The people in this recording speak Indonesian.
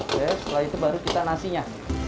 oke setelah itu baru kita nasinya